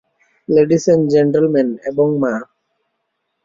Ladies and gentleman এবং মা!